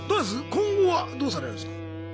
今後はどうされるんですか？